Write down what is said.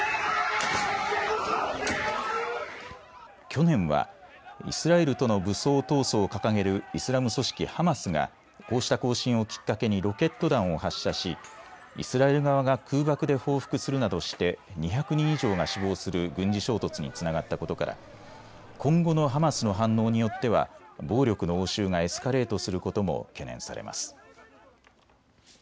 去年はイスラエルとの武装闘争を掲げるイスラム組織ハマスがこうした行進をきっかけにロケット弾を発射しイスラエル側が空爆で報復するなどして２００人以上が死亡する軍事衝突につながったことから今後のハマスの反応によっては暴力の応酬がエスカレートすることも懸念されます。